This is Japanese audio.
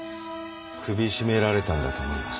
首絞められたんだと思います。